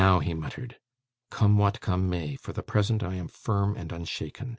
he muttered, 'come what come may, for the present I am firm and unshaken.